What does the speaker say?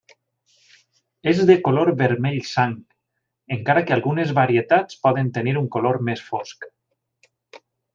És de color vermell sang, encara que algunes varietats poden tenir un color més fosc.